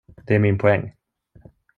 Det är min poäng.